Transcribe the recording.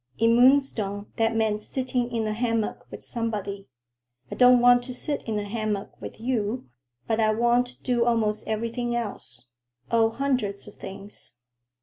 In Moonstone that meant sitting in a hammock with somebody. I don't want to sit in a hammock with you, but I want to do almost everything else. Oh, hundreds of things!"